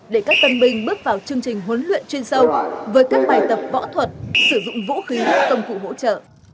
để các tân binh bước vào chương trình huấn luyện chuyên sâu với các bài tập võ thuật sử dụng vũ khí công cụ hỗ trợ